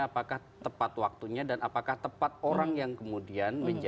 apakah tepat waktunya dan apakah tepat orang yang kemudian menjadi